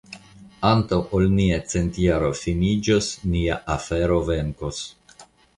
Antaŭ ol nia centjaro finiĝos, nia afero venkos.